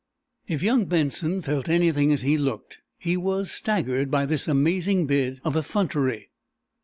If young Benson felt anything as he looked, he was staggered by this amazing bit of effrontery.